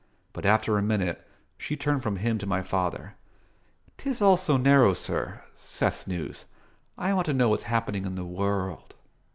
But after a minute she turned from him to my father. "'Tis all so narrow, sir Seth's news. I want to know what's happenin' in the world."